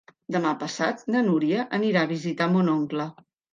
Demà passat na Núria anirà a visitar mon oncle.